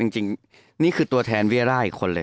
จริงนี่คือตัวแทนเวียร่าอีกคนเลย